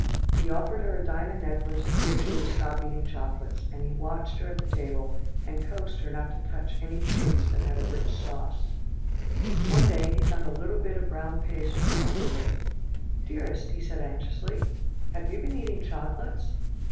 He offered her a diamond necklace, if she would stop eating chocolates, and he watched her at the table, and coaxed her not to touch any puddings that had a rich sauce. One day, he found a little bit of brown paste on her upper lip. "Dearest," he said anxiously, "have you been eating chocolates?"